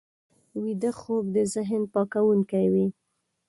ویده خوب د ذهن پاکوونکی وي